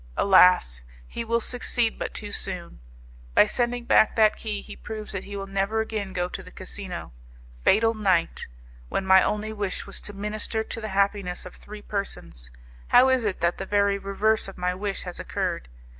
Alas! he will succeed but too soon! By sending back that key he proves that he will never again go to the casino. Fatal night! When my only wish was to minister to the happiness of three persons, how is it that the very reverse of my wish has occurred?